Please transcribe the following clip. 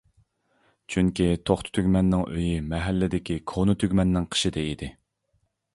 چۈنكى توختى تۈگمەننىڭ ئۆيى مەھەللىدىكى كونا تۈگمەننىڭ قىشىدا ئىدى.